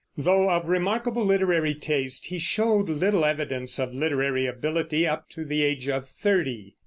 Though of remarkable literary taste, he showed little evidence of literary ability up to the age of thirty.